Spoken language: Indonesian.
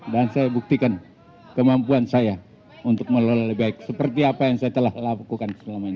dan saya buktikan kemampuan saya untuk melalui baik seperti apa yang saya telah lakukan selama ini